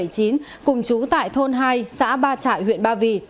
cùng chú tại thôn hai xã ba trại huyện ba vì